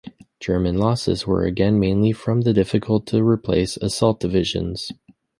German losses were again mainly from the difficult-to-replace assault divisions.